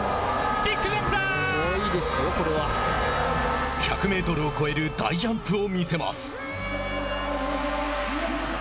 すごいですよ、これは。１００メートルを超える大ジャンプを見せます。